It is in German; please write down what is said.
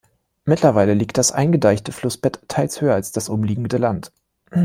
Mittlerweile liegt das eingedeichte Flussbett teils höher als das umliegende Land.